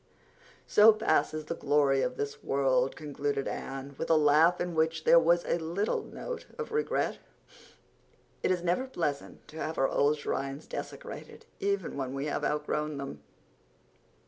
'So passes the glory of this world,'" concluded Anne, with a laugh in which there was a little note of regret. It is never pleasant to have our old shrines desecrated, even when we have outgrown them.